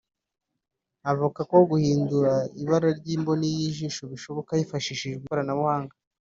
avuga ko guhindura ibara ry’imboni y’ijisho bishoboka hifashishijwe ikoranabuhanga